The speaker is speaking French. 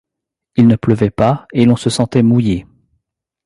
Il ne pleuvait pas, et l’on se sentait mouillé.